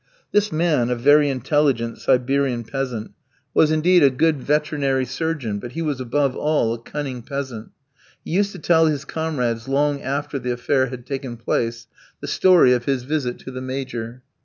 The man, a very intelligent Siberian peasant, was indeed a good veterinary surgeon, but he was above all a cunning peasant. He used to tell his comrades long after the affair had taken place the story of his visit to the Major.